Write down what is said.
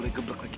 udah tenang aja